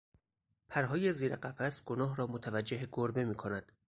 پرهای زیر قفس گناه را متوجه گربه میکند.